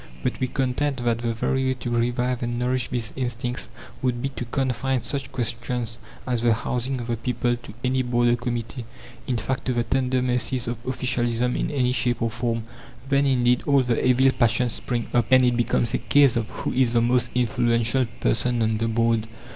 But we contend that the very way to revive and nourish these instincts would be to confine such questions as the housing of the people to any board or committee, in fact, to the tender mercies of officialism in any shape or form. Then indeed all the evil passions spring up, and it becomes a case of who is the most influential person on the board.